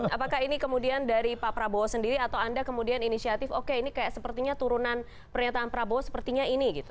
apakah ini kemudian dari pak prabowo sendiri atau anda kemudian inisiatif oke ini kayak sepertinya turunan pernyataan prabowo sepertinya ini gitu